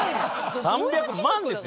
３００万ですよ！